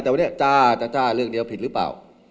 แต่วันนี้จ้าเรื่องเดียวผิดหรือเปล่า